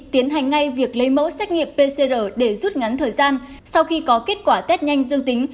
tiến hành ngay việc lấy mẫu xét nghiệm pcr để rút ngắn thời gian sau khi có kết quả test nhanh dương tính